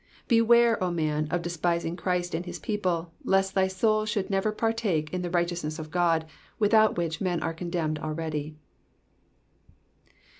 Beware, O man, of despising Christ and his people, lest thy soul should never partake in the righteousness of God, without which men are condemned already.